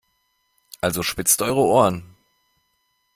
Also spitzt eure Ohren!